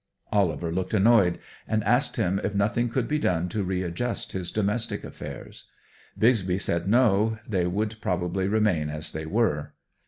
Oliver looked annoyed, and asked him if nothing could be done to readjust his domestic affairs. Bixby said no; they would probably remain as they were.